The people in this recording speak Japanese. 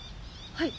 はい。